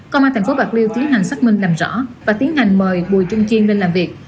công an thành phố bạc liêu tiến hành xác minh làm rõ và tiến hành mời bùi trung kiên lên làm việc